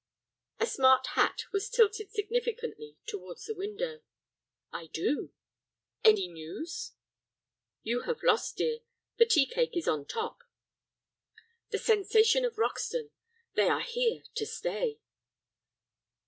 A smart hat was tilted significantly towards the window. "I do." "Any news?" "You have lost, dear. The tea cake is on top. The sensation of Roxton. They are here to stay."